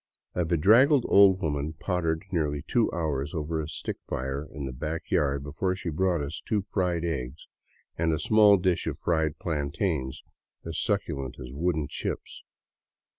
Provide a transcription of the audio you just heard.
'' A bedraggled old woman pottered nearly two hours over a stick fire in the back yard before she brought us two fried eggs and a small dish of fried plantains, as succulent as wooden chips.